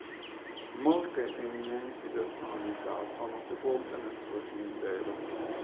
Molte eminenti personalità sono sepolte nel suo cimitero.